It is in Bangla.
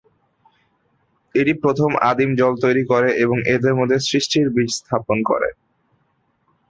এটি প্রথমে আদিম জল তৈরি করে এবং এর মধ্যে সৃষ্টির বীজ স্থাপন করে।